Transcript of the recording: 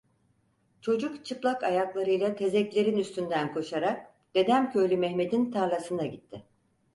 Çocuk çıplak ayaklarıyla tezeklerin üstünden koşarak Dedemköylü Mehmet'in tarlasına gitti.